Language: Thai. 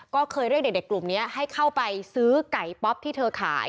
ก็เคยเรียกเด็กกลุ่มนี้ให้เข้าไปซื้อไก่ป๊อปที่เธอขาย